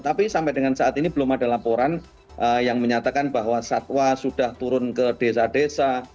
tapi sampai dengan saat ini belum ada laporan yang menyatakan bahwa satwa sudah turun ke desa desa